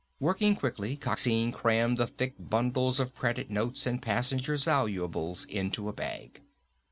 Working quickly, Coxine crammed the thick bundles of credit notes and passenger's valuables into a bag.